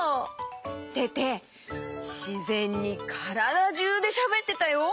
テテしぜんにからだじゅうでしゃべってたよ。